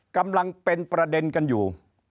กำลังเป็นประเด็นกันอยู่